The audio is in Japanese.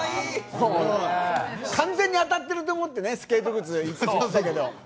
完全に当たってると思ってスケート靴って書いてたけど。